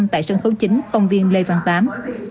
tại sân khấu chính công viên lê văn tám